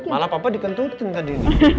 malah papa dikentutin tadi